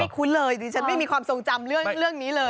คุ้นเลยดิฉันไม่มีความทรงจำเรื่องนี้เลย